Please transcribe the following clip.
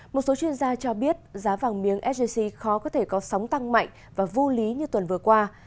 một số chuyên gia cho biết giá vàng miếng sgc khó có thể có sóng tăng mạnh và vô lý như tuần vừa qua